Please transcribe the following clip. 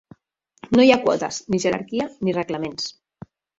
No hi ha quotes, ni jerarquia, ni reglaments.